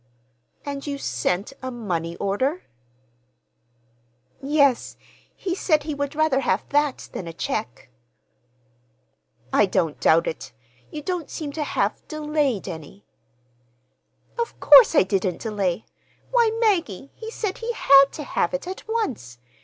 "And you sent—a money order?" "Yes. He said he would rather have that than a check." "I don't doubt it! You don't seem to have—delayed any." "Of course I didn't delay! Why, Maggie, he said he had to have it at once.